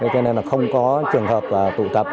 cho nên là không có trường hợp tụ tập